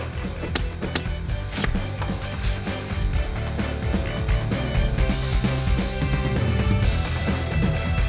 kecuali kalau ada lemur